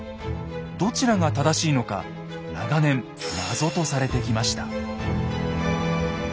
どちらが正しいのか長年謎とされてきました。